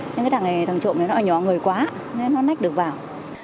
nhưng cái thằng này thằng trộm này nó nhỏ người quá nên nó nách được vào